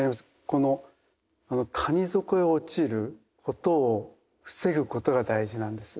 この谷底へ落ちることを防ぐことが大事なんです。